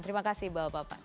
terima kasih bapak bapak